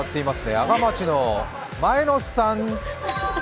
阿賀町の前野さん。